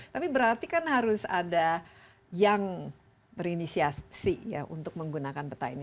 tapi berarti kan harus ada yang berinisiasi ya untuk menggunakan peta ini